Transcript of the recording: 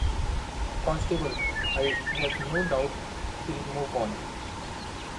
Constable, I have no doubt he'll move on.